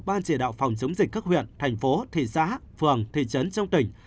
ban chỉ đạo phòng chống dịch các huyện thành phố thị xã phường thị trấn trong tỉnh